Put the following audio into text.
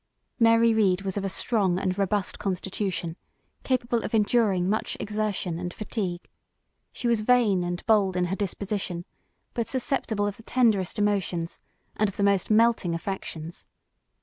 Mary Read was of a strong and robust constitution, capable of enduring much exertion and fatigue. She was vain and bold in her disposition, but susceptible of the tenderest emotions, and of the most melting affections.